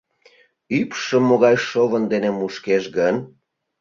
Ӱпшым могай шовын дене мушкеш гын?